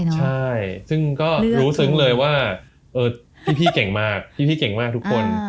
ใช่ซึ่งก็รู้ซึ้งเลยว่าพี่เก่งมากพี่เก่งมากทุกคน